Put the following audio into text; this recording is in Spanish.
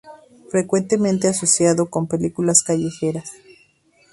Frecuentemente asociado con "películas callejeras".